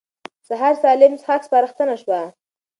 سهار سالم څښاک سپارښتنه شوه.